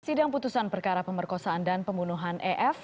sidang putusan perkara pemerkosaan dan pembunuhan ef